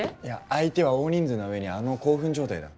相手は大人数の上にあの興奮状態だ。